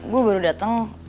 gue baru dateng